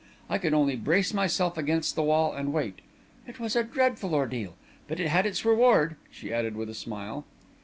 I could only brace myself against the wall and wait. It was a dreadful ordeal. But it had its reward," she added, with a smile.